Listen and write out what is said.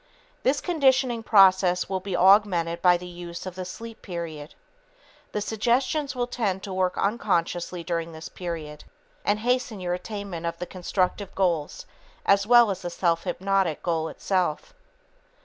This conditioning process will be augmented by the use of the sleep period. The suggestions will tend to work unconsciously during this period and hasten your attainment of the constructive goals as well as the self hypnotic goal itself.